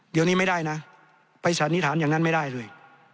เดี๋ยวนี้ไม่ได้นะไปสันนิษฐานอย่างนั้นไม่ได้เลย